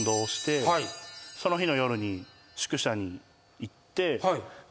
その日の夜に宿舎に行って。